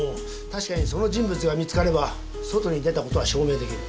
確かにその人物が見つかれば外に出たことは証明できる。